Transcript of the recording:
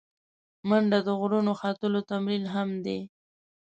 منډه د غرونو ختلو تمرین هم دی